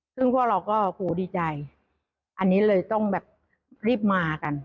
ซึ่งพวกเราก็โหดีใจอันนี้เลยต้องแบบรีบมากัน